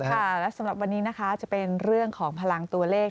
ค่ะและสำหรับวันนี้นะคะจะเป็นเรื่องของพลังตัวเลข